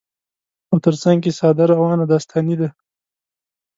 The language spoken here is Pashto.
او تر څنګ يې ساده، روانه داستاني ده